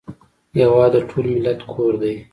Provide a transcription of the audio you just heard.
هېواد د ټول ملت کور دی